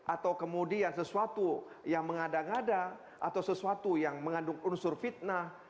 atau kemudian sesuatu yang mengada ngada atau sesuatu yang mengandung unsur fitnah